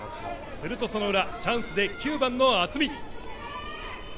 すると、その裏チャンスで９番の渥美。